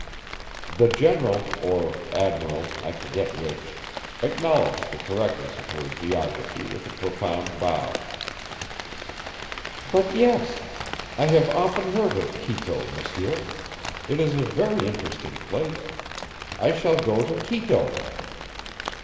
The general or admiral, I forget which acknowledged the correctness of her geography with a profound bow. "But yes. I have often heard of Quito, monsieur. It is a very interesting place. I shall go to Quito."